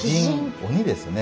鬼ですね。